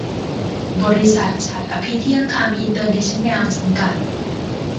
บริษัท ฉัตรอภิเที่ยงค่ำอินเตอร์เนชั่นแนล จำกัด